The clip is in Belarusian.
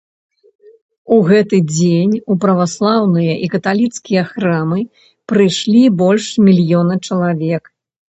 У гэты дзень у праваслаўныя і каталіцкія храмы прыйшлі больш мільёна чалавек.